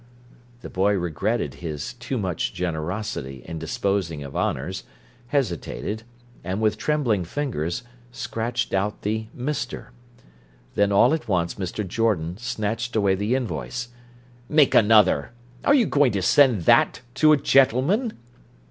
The boy regretted his too much generosity in disposing of honours, hesitated, and with trembling fingers, scratched out the "Mr." Then all at once Mr. Jordan snatched away the invoice. "Make another! Are you going to send that to a gentleman?"